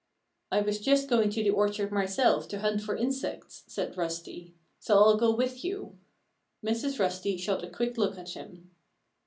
"I was just going to the orchard myself to hunt for insects," said Rusty. "So I'll go with you." Mrs. Rusty shot a quick look at him.